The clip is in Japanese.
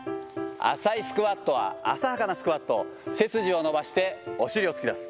浅いスクワットは浅はかなスクワット、背筋を伸ばしてお尻を突き出す。